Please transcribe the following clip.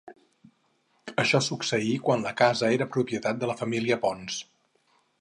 Això succeí quan la casa era propietat de la família Ponç.